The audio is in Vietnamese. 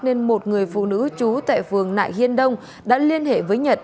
nên một người phụ nữ trú tại phường nại hiên đông đã liên hệ với nhật